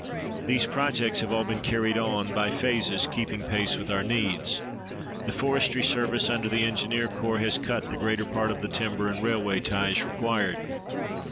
These projects have all been carried on by phases keeping pace with our needs. The Forestry Service under the Engineer Corps has cut the greater part of the timber and railway ties required.